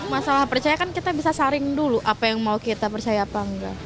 masalah percaya kan kita bisa saring dulu apa yang mau kita percaya apa enggak